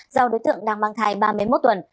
do đối tượng đang mang thai ba mươi một tuần